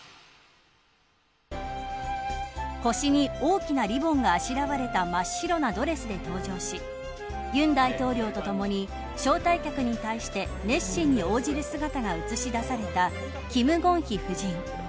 腰に大きなリボンがあしらわれた真っ白なドレスで登場し尹大統領とともに招待客に対して熱心に応じる姿が映し出された金建希夫人。